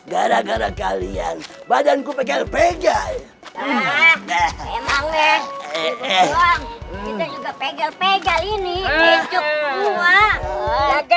gara gara kalian badanku pegel pegel memang